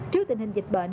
trước tình hình dịch bệnh